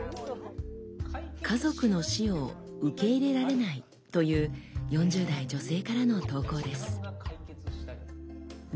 「家族の死を受け入れられない」という４０代女性からの投稿です。